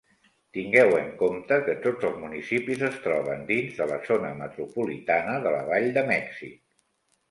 Tingueu en compte que tots els municipis es troben dins de la zona metropolitana de la Vall de Mèxic.